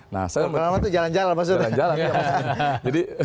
keluar kamar tuh jalan jalan maksudnya